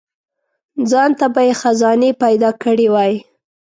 ځانته به یې خزانې پیدا کړي وای.